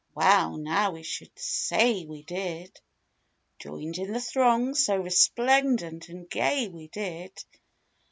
, Well now we should say we did! Joined in the throng so resplendent and gay we did.